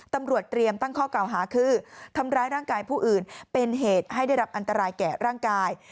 ตำรวจเตรียมตั้งข้อเก่าหาคือทำร้ายร่างกายผู้อื่นเป็นเหตุให้ได้รับอันตรายแก่ร่างกาย